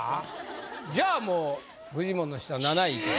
じゃあもうフジモンの下７位。